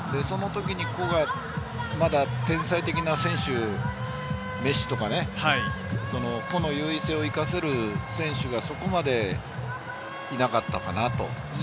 その時に個がまだ天才的な選手、メッシとか、個の優位性を生かせる選手がそこまでいなかったのかなと。